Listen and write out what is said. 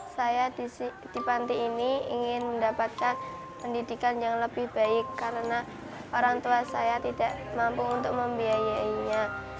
saya di panti ini ingin mendapatkan pendidikan yang lebih baik karena orang tua saya tidak mampu untuk membiayainya